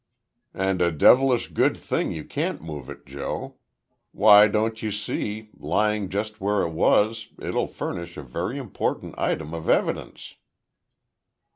"And a devilish good thing you can't move it, Joe. Why don't you see, lying just where it was it'll furnish a very important item of evidence."